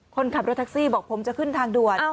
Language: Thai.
คนขับรถแท็กซี่บอกผมจะขึ้นทางด่วน